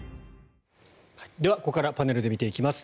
では、ここからパネルで見ていきます。